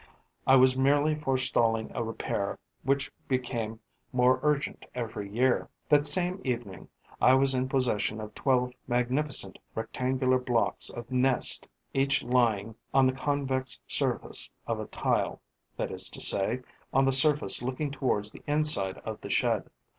I was merely forestalling a repair which became more urgent every year. That same evening, I was in possession of twelve magnificent rectangular blocks of nest, each lying on the convex surface of a tile, that is to say, on the surface looking towards the inside of the shed.